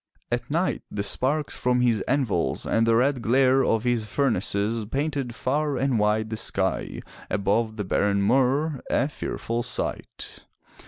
At night the sparks from his anvils and the red glare of his furnaces painted far and wide the sky above the barren moor — a fearful sight.